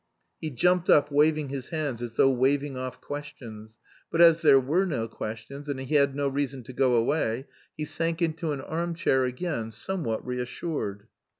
He jumped up, waving his hands as though waving off questions. But as there were no questions, and he had no reason to go away, he sank into an arm chair again, somewhat reassured.